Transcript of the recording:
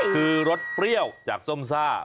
คือรสเปรี้ยวจากส้มซ่า